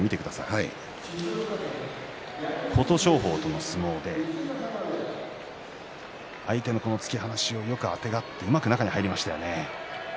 琴勝峰との相撲で相手の突き放しをよくあてがってうまく中に入りました。